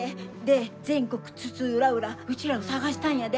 で全国津々浦々うちらを捜したんやで。